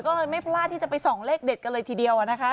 ก็เลยไม่พลาดที่จะไปส่องเลขเด็ดกันเลยทีเดียวนะคะ